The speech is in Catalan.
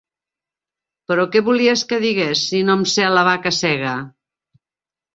Però què volies que digués, si no em sé La vaca cega?